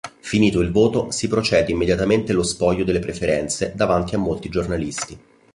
Finito il voto, si procede immediatamente lo spoglio delle preferenze davanti a molti giornalisti.